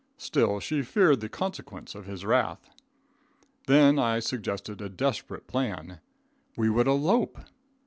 Still she feared the consequences of his wrath. Then I suggested a desperate plan. We would elope!